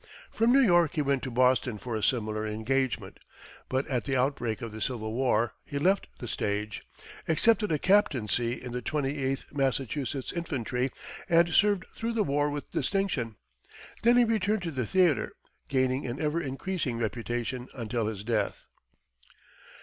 From New York he went to Boston for a similar engagement, but at the outbreak of the Civil War he left the stage, accepted a captaincy in the Twenty eighth Massachusetts Infantry, and served through the war with distinction. Then he returned to the theatre, gaining an ever increasing reputation until his death.